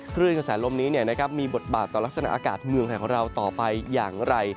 คลื่นกระแสลมนี้มีบทบาทต่อลักษณะอากาศเมืองไทยของเราต่อไปอย่างไร